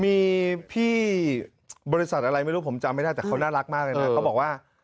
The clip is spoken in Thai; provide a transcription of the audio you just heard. มีพี่บริษัทอะไรไม่รู้ผมจำไม่ได้แต่เขาน่ารักมากเลยนะเขาบอกว่า